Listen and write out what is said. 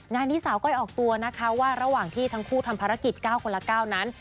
งานนี้สาวก้อยออกตัวนะคะว่าระหว่างที่ทั้งคู่ทำภารกิจ๙คนละ๙นั้น